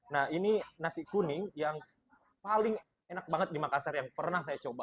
nah ini nasi kuning yang paling enak banget di makassar yang pernah saya coba